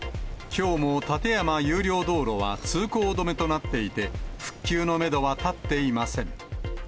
きょうも立山有料道路は通行止めとなっていて、復旧のメドは立っていません。